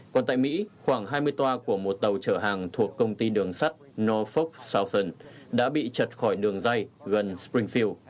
còn tại mỹ khoảng hai mươi toa của một tàu chở hàng thuộc công ty đường sắt nofox soution đã bị chật khỏi đường dây gần springfield